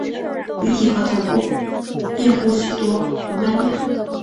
鱼体和头部遍布许多红斑点。